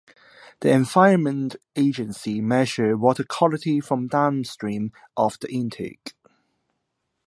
The Environment Agency measure water quality from downstream of the intake.